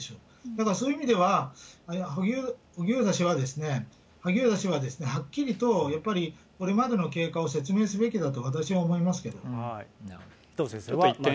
だからそういう意味では、萩生田氏は、はっきりとやっぱり、これまでの経過を説明すべきだと、私は思いますけども。